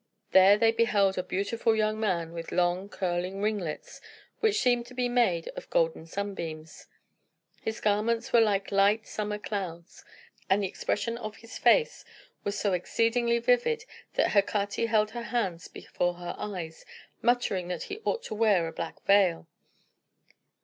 There they beheld a beautiful young man, with long, curling ringlets, which seemed to be made of golden sunbeams; his garments were like light summer clouds; and the expression of his face was so exceedingly vivid that Hecate held her hands before her eyes, muttering that he ought to wear a black veil.